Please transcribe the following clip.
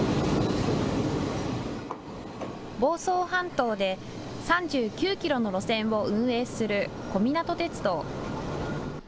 房総半島で３９キロの路線を運営する小湊鐵道。